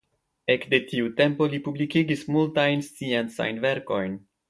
Ekde tiu tempo li publikigis multajn sciencajn verkojn.